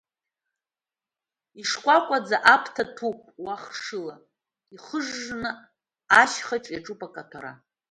Ишкәакәаӡа аԥҭа ҭәуп уа хшыла, ихыжжны ашьхаҿ иаҿуп акаҭәара.